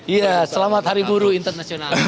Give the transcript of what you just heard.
iya selamat hari buruh internasional